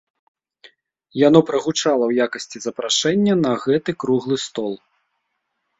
Яно прагучала ў якасці запрашэння на гэты круглы стол.